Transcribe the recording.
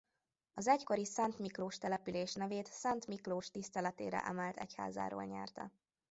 Az egykori Szentmiklós település nevét Szent Miklós tiszteletére emelt egyházáról nyerte.